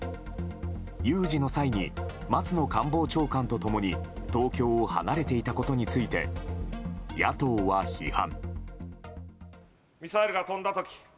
有事の際に松野官房長官と共に東京を離れていたことについて野党は批判。